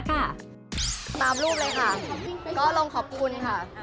ตามรูปเลยค่ะก็ลงขอบคุณค่ะ